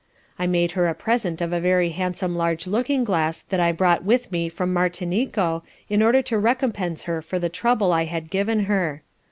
I made her a present of a very handsome large looking glass that I brought with me from Martinico, in order to recompence her for the trouble I had given her.